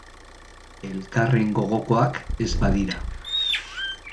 Elkarren gogokoak ez badira.